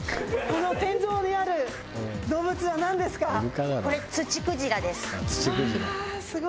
この天井にある動物はなんですか？